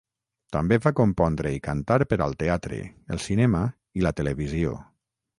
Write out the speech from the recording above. També va compondre i cantar per al teatre, el cinema i la televisió.